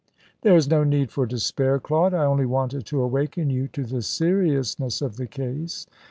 "There is no need for despair, Claude. I only wanted to awaken you to the seriousness of the case.